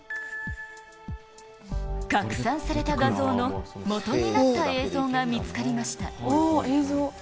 拡散された画像の、もとになった映像が見つかりました。